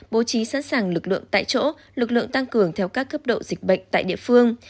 bố trí sẵn sàng lực lượng tại chỗ lực lượng tăng cường theo các cấp độ dịch bệnh tại địa phương